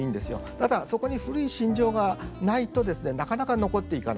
ただそこに古い心情がないとですねなかなか残っていかない。